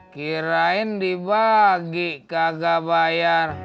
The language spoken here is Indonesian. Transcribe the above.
kirain dibagi kagak bayar